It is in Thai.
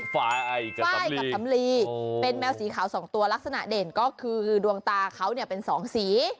ฟ้ายกับสำลีฟ้ายกับสำลีเป็นแมวสีขาวสองตัวลักษณะเด่นก็คือดวงตาเขาเป็นสองสี